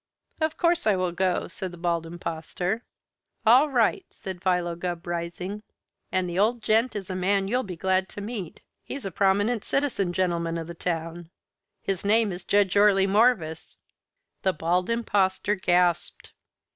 "Of course I will go," said the Bald Impostor. "All right!" said Philo Gubb, rising. "And the old gent is a man you'll be glad to meet. He's a prominent citizen gentleman of the town. His name is Judge Orley Morvis." The Bald Impostor gasped.